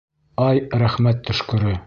Ай, рәхмәт төшкөрө!